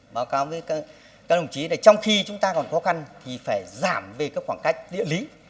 báo cáo với các đồng chí là trong khi chúng ta còn khó khăn thì phải giảm về các khoảng cách địa lý